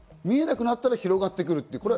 見えなくなったら広がってくる。